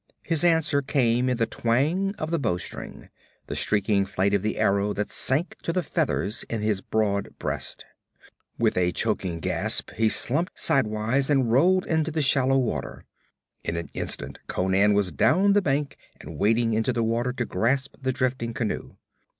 His answer came in the twang of the bow string, the streaking flight of the arrow that sank to the feathers in his broad breast. With a choking gasp he slumped sidewise and rolled into the shallow water. In an instant Conan was down the bank and wading into the water to grasp the drifting canoe.